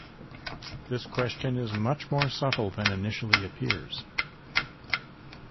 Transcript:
This question is much more subtle than initially appears.